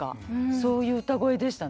そういう歌声でしたね。